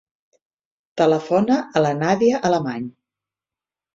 Telefona a la Nàdia Alemany.